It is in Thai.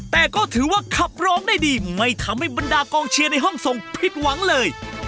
แต่ก็ถือว่าขับร้องได้ดีไม่ทำให้บรรดากองเชียร์ในห้องส่งผิดหวังเลย